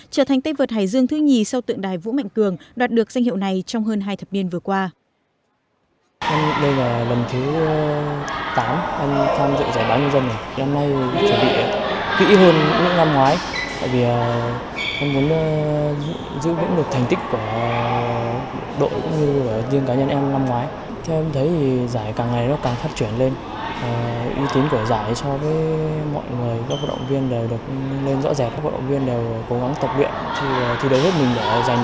trở thành tay vợt hải dương thứ nhì sau tượng đài vũ mạnh cường đoạt được danh hiệu này trong hơn hai thập niên vừa qua